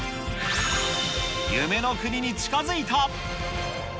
夢の国に近づいた！